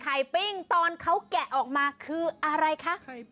ปิ้งตอนเขาแกะออกมาคืออะไรคะ